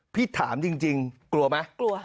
พี่ถามจริงกลัวไหม